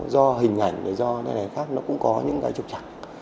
do hình ảnh do thế này khác nó cũng có những cái trục trạng